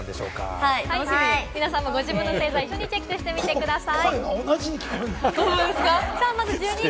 皆さんもご自分の星座を一緒にチェックしてみてください。